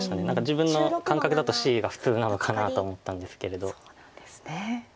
自分の感覚だとＣが普通なのかなと思ったんですけれど。